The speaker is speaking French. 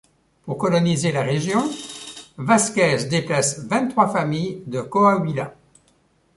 Pour coloniser la région, Vázquez déplace vingt-trois familles de Coahuila.